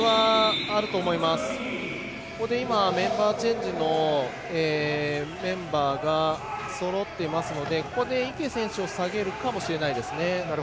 ここで今メンバーチェンジのメンバーがそろっていますのでここで池選手を下げるかもしれません。